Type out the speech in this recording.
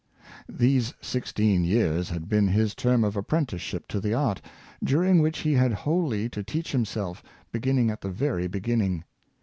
These sixteen years had been his term of apprenticeship to the art, during which he had wholly to teach himself, beginning at the very beginning.